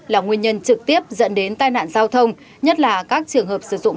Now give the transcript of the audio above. là nguyên nhân trực tiếp dẫn đến tai nạn giao thông nhất là các trường hợp sử dụng